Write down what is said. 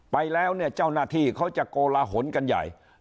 ไปแล้วเนี่ยเจ้าหน้าที่เขาจะโกลาหลกันใหญ่